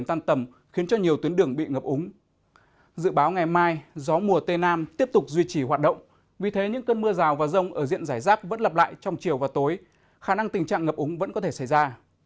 mùa tây nam tiếp tục duy trì hoạt động vì thế những cơn mưa rào và rông ở diện giải rác vẫn lặp lại trong chiều và tối khả năng tình trạng ngập úng vẫn có thể xảy ra